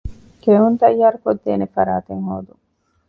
ކެއުން ތައްޔާރުކޮށްދޭނެ ފަރާތެއް ހޯދުން